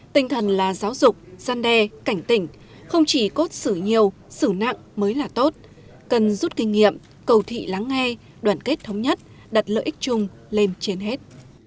tinh thần là giáo dục gian đe cảnh tỉnh không chỉ cốt xử nhiều xử nặng mới là tốt cần rút kinh nghiệm cầu thị lắng nghe đoàn kết thống nhất đặt lợi ích chung lên trên hết